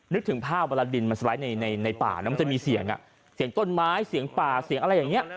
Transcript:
นึกถึงภาพเวลาดินมันสไลด์ในป่านะมันจะมีเสียงเสียงต้นไม้เสียงป่าเสียงอะไรอย่างนี้